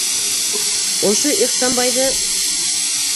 Ошо Ихсанбайҙы...